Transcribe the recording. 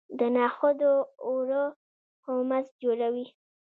د نخودو اوړه هومس جوړوي.